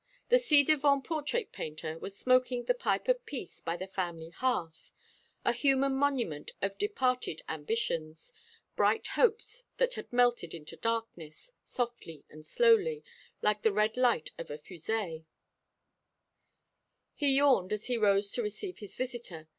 The ci devant portrait painter was smoking the pipe of peace by the family hearth, a human monument of departed ambitions, bright hopes that had melted into darkness, softly and slowly, like the red light of a fusee. He yawned as he rose to receive his visitor.